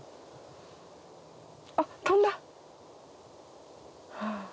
あっ飛んだ！